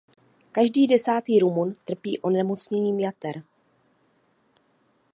Každý desátý Rumun trpí onemocněním jater.